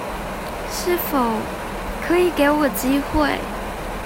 是否可以給我機會